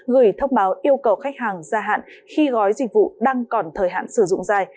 gửi thông báo yêu cầu khách hàng ra hạn khi gói dịch vụ đang còn thời hạn sử dụng dài